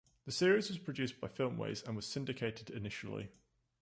The series was produced by Filmways and was syndicated initially.